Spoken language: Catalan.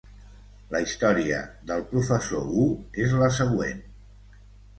La història del professor Wu és la següent.